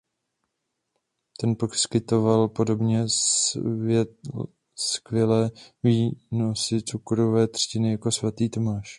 Ten poskytoval podobně skvělé výnosy cukrové třtiny jako Svatý Tomáš.